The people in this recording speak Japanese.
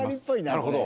なるほど。